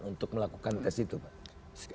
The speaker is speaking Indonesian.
untuk melakukan tes itu pak